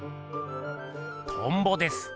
トンボです。